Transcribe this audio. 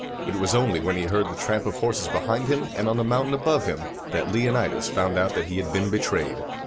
It was only when he heard the tramp of horses behind him and on the mountain above him, that Leonidas found out that he had been betrayed.